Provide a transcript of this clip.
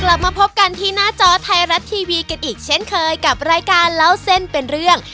กลับมาพบกันที่หน้าจอไทยรัฐทีวีกันอีกเช่นเคยกับรายการเล่าเส้นเป็นเรื่อง